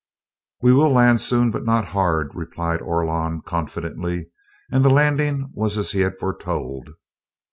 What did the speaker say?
"We will land soon, but not hard," replied Orlon confidently, and the landing was as he had foretold.